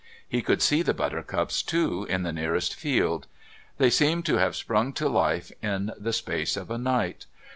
He could see the buttercups, too, in the nearest field; they seemed to have sprung to life in the space of a night.